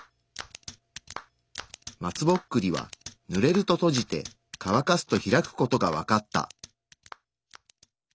松ぼっくりはぬれると閉じてかわかすと開く事が分かった。